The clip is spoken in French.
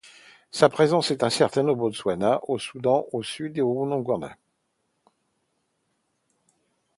Sa présence est incertaine au Botswana, au Soudan du Sud et en Ouganda.